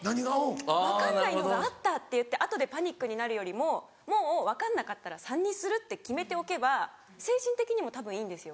分かんないのがあったっていって後でパニックになるよりももう分かんなかったら３にするって決めておけば精神的にもたぶんいいんですよ。